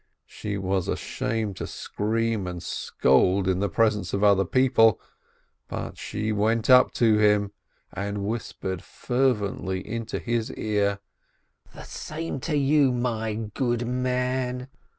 She was ashamed to scream and scold in the presence of other people, but she went up to him, 364 S. LIBIN and whispered fervently into his ear, "The same to you, my good man!"